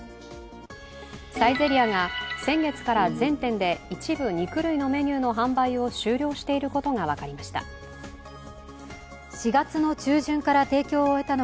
サイゼリヤが先月から全店で一部肉類のメニューの販売を終了していることが分かりました。